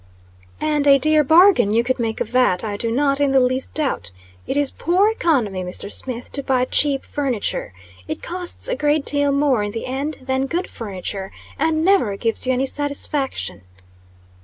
"And a dear bargain you would make of that, I do not in the least doubt. It is poor economy, Mr. Smith, to buy cheap furniture. It costs a great deal more in the end, than good furniture, and never gives you any satisfaction."